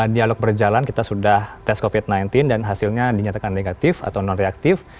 dialog berjalan kita sudah tes covid sembilan belas dan hasilnya dinyatakan negatif atau non reaktif